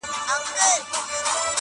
اصلاح نه سو لایې بد کول کارونه.